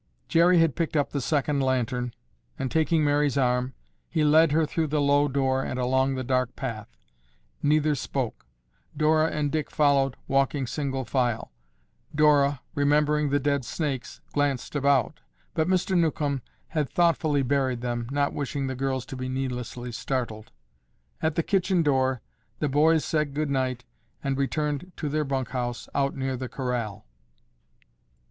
Jerry had picked up the second lantern and, taking Mary's arm, he led her through the low door and along the dark path. Neither spoke. Dora and Dick followed, walking single file. Dora, remembering the dead snakes, glanced about, but Mr. Newcomb had thoughtfully buried them, not wishing the girls to be needlessly startled. At the kitchen door, the boys said good night and returned to their bunk house out near the corral.